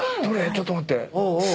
ちょっと待って。